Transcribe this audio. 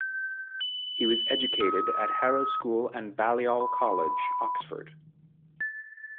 He was educated at Harrow School and Balliol College, Oxford.